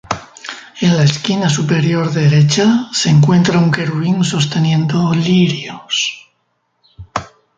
En la esquina superior derecha se encuentra un querubín sosteniendo lirios.